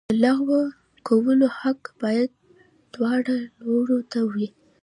د لغوه کولو حق باید دواړو لورو ته وي.